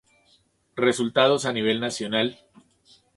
Resultados a nivel nacional.